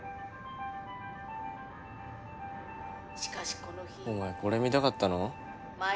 「しかしこの日」お前これ見たかったの？